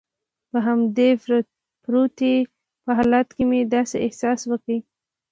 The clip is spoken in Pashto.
په همدې پروتې په حالت کې مې داسې احساس وکړل.